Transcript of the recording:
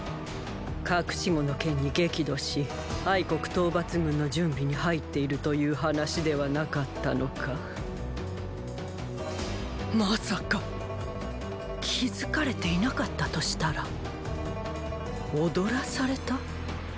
“隠し子”の件に激怒し国討伐軍の準備に入っているという話ではなかったのかまさか気付かれていなかったとしたら踊らされた？